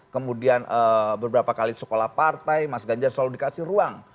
kemudian beberapa kali sekolah partai mas ganjar selalu dikasih ruang